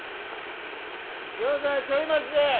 ギョーザちょい待ちで。